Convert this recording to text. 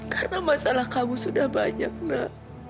karena masalah kamu sudah banyak nak